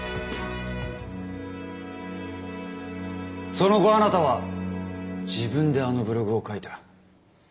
その後あなたは自分であのブログを書いた。